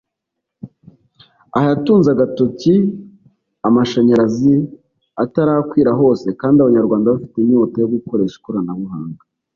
Aha yatunze agatoki amashanyarazi atarakwira hose kandi Abanyarwanda bafite inyota yo gukoresha ikoranabuhanga